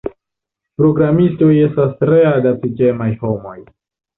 Programistoj estas tre adaptiĝemaj homoj.